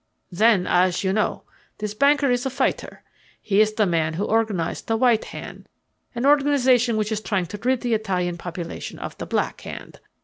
"Then, as you know, this banker is a fighter. He is the man who organized the White Hand an organization which is trying to rid the Italian population of the Black Hand.